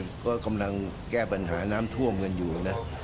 เพราะกำลังแก้ปัญหาน้ำท่วมกันอยู่นะ